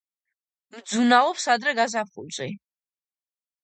მძუნაობს ადრე გაზაფხულზე.